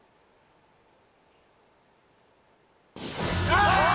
あ！